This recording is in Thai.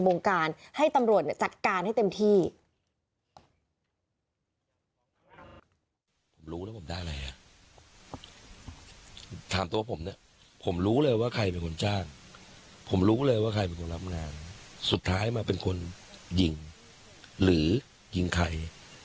ผมรู้เลยว่าใครเป็นคนรับงานสุดท้ายมาเป็นคนยิงหรือยิงใคร